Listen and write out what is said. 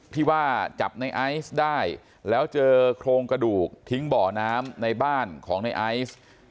ที่ว่าจับในไอซ์ได้แล้วเจอโครงกระดูกทิ้งบ่อน้ำในบ้านของในไอซ์